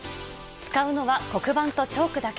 使うのは黒板とチョークだけ。